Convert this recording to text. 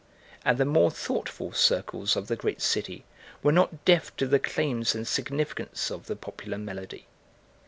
And the more thoughtful circles of the great city were not deaf to the claims and significance of the popular melody.